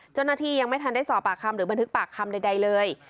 ยังไม่ทันได้สอบปากคำหรือบันทึกปากคำใดเลย